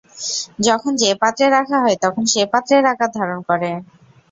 যখন যে পাত্রে রাখা হয় তখন সে পাত্রের আকার ধারণ করে।